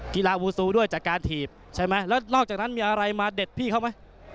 กีฬาวูซูด้วยจากการถีบใช่ไหมแล้วนอกจากนั้นมีอะไรมาเด็ดพี่เขาไหม